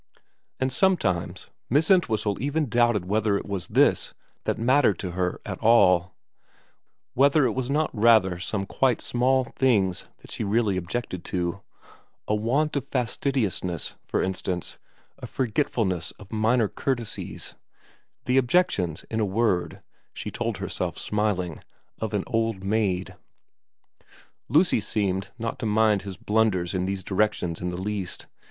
And sometimes Miss Entwhistle even doubted whether it was this that mattered to her at all, whether it was not rather some quite small things that she really objected to : a* want of fastidious ness, for instance, a f orgetf ulness of the minor courtesies, the objections, in a word, she told herself smiling, of an old maid. Lucy seemed not to mind his blunders 102 VERA x in these directions in the least.